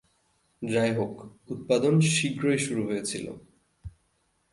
যাইহোক, উৎপাদন শীঘ্রই শুরু হয়েছিল।